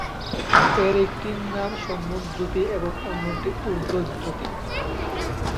এর একটির নাম সম্মুখ দ্রুতি এবং অন্যটি ঊর্ধ্ব দ্রুতি।